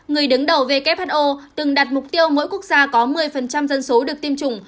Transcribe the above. người đứng đầu who từng đặt mục tiêu mỗi quốc gia có một mươi dân số được tiêm chủng